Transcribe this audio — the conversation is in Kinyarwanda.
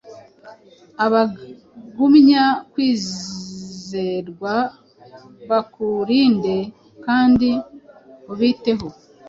Abagumya kwizerwabakurinde kandi ubitayeho